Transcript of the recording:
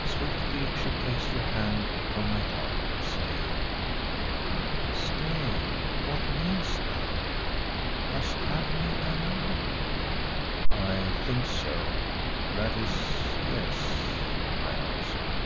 Swiftly she placed her hand upon my heart, saying, "Stay! What meanest thou? Dost love me, Allan?" "I think so—that is—yes," I answered.